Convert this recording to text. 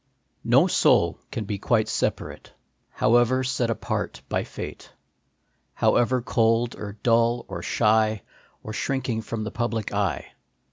O soul can be quite separate, However set apart by fate, However cold or dull or shy, Or shrinking from the public eye.